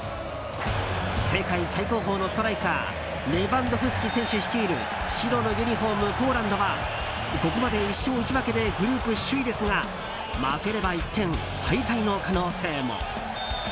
世界最高峰のストライカーレヴァンドフスキ選手率いる白のユニホーム、ポーランドはここまで１勝１分けでグループ首位ですが負ければ一転、敗退の可能性も。